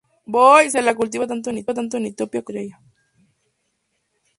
Se la cultiva tanto en Etiopía como en Eritrea.